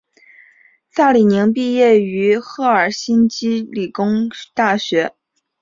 萨里宁毕业于赫尔辛基理工大学。